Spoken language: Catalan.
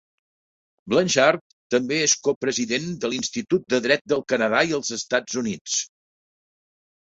Blanchard també és copresident de l'Institut de Dret del Canadà i els Estats Units.